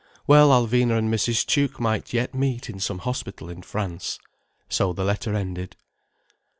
Well, Alvina and Mrs. Tuke might yet meet in some hospital in France. So the letter ended.